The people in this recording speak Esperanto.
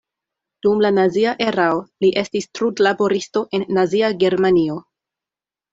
Dum la nazia erao li estis trudlaboristo en Nazia Germanio.